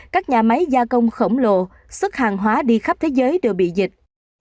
các nhà máy gia công khổng lồ xuất hàng hóa đi khắp thế giới đều bị dịch